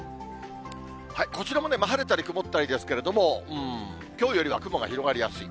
こちらも晴れたり曇ったりですけれども、うーん、きょうよりは雲が広がりやすい。